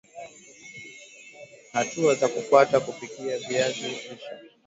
Hatua za kufuata kupikia viazi lishe